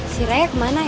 si raya kemana ya